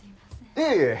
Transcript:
いえいえ！